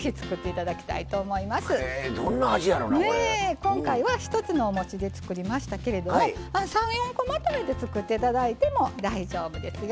今回は一つのおもちで作りましたけれども３４個まとめて作って頂いても大丈夫ですよ。